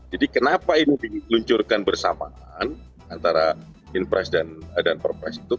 jadi kenapa ini diluncurkan bersamaan antara in press dan per press itu